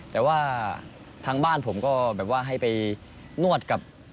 แต่ว่าทางบ้านผมก็แบบว่าให้ไปนวดกับ